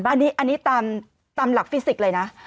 อันนี้ตามหลักฟิสิกส์เลยนะ